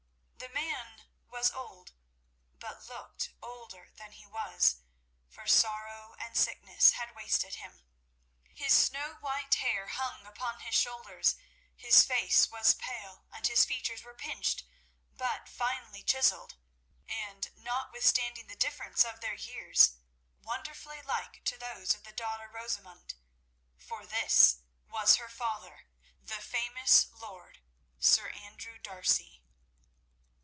The man was old, but looked older than he was, for sorrow and sickness had wasted him. His snow white hair hung upon his shoulders, his face was pale, and his features were pinched but finely chiselled, and notwithstanding the difference of their years, wonderfully like to those of the daughter Rosamund. For this was her father, the famous lord, Sir Andrew D'Arcy.